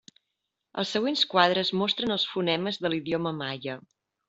Els següents quadres mostren els fonemes de l'idioma maia.